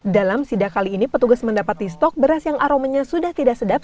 dalam sidak kali ini petugas mendapati stok beras yang aromanya sudah tidak sedap